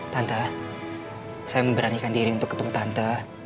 tante saya memberanikan diri untuk ketemu tante